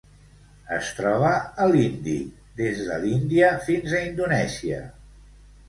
Es troba a l'Índic: des de l'Índia fins a Indonèsia.